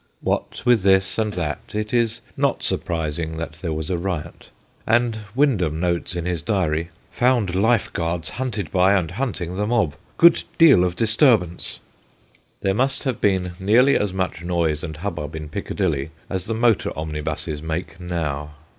What with this and that, it is not surprising that there was a riot, and Windham notes in his Diary :' Found Life Guards hunted by and hunting the mob ; good deal of disturbance/ There must have been nearly as much noise and hubbub in Piccadilly as the motor omnibuses make now.